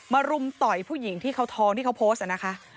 รุมต่อยผู้หญิงที่เขาท้องที่เขาโพสต์นะคะ